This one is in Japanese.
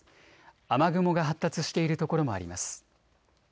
雨雲が発達している所もあります。